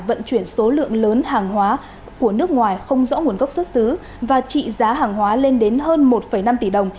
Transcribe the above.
vận chuyển số lượng lớn hàng hóa của nước ngoài không rõ nguồn gốc xuất xứ và trị giá hàng hóa lên đến hơn một năm tỷ đồng